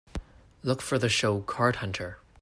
Look for the show Card Hunter